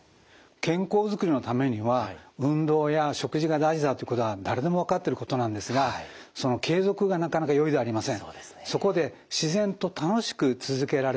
健康づくりのためには運動や食事が大事だということが誰でも分かってることなんですがその継続がなかなか容易ではありません。